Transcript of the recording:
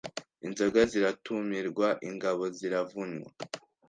inzoga ziratumirwa, ingabo ziravunywa,